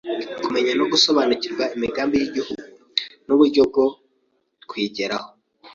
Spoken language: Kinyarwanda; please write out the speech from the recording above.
kumenya no gusobanukirwa imigambi y’Igihugu n’uburyo bwo kuyigeraho;